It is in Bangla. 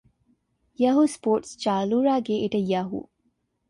ইয়াহু স্পোর্টস চালুর আগে এটা ইয়াহু!